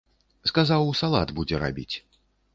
Сказаў, салат будзе рабіць.